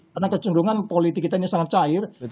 karena kecenderungan politik kita ini sangat cair